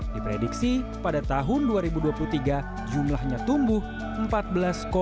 diprediksi pada tahun dua ribu dua puluh tiga ini akan ada pergerakan mudik masyarakat yang lebih besar dibandingin tahun dua ribu dua puluh tiga